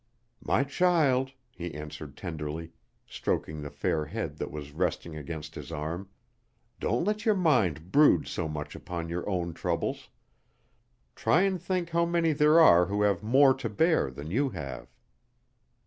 "My child," he answered tenderly, stroking the fair head that was resting against his arm, "don't let your mind brood so much upon your own troubles; try and think how many there are who have more to bear than you have."